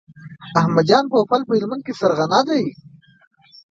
احمد جان پوپل په هلمند کې سرغنه دی.